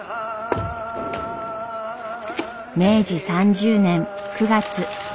明治３０年９月。